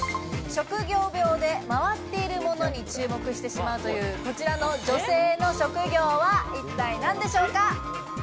職業病で回っているものに注目してしまうという、こちらの女性の職業は一体何でしょうか？